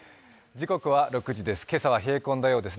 時刻は６時です。